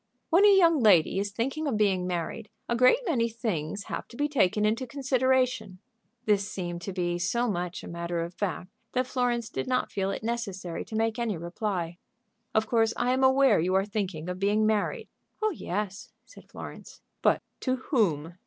"When a young lady is thinking of being married, a great many things have to be taken into consideration." This seemed to be so much a matter of fact that Florence did not feel it necessary to make any reply. "Of course I am aware you are thinking of being married." "Oh yes," said Florence. "But to whom?"